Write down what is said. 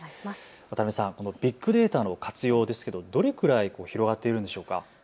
渡辺さん、ビッグデータの活用ですけどどれくらい広がっているんでしょうか。